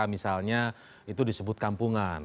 misalnya itu disebut kampungan